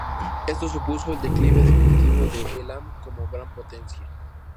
Esto supuso el declive definitivo de Elam como gran potencia.